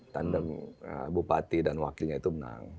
tandeng bupati dan wakilnya itu menang